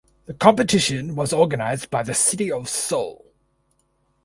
The competition was organized by the city of Seoul.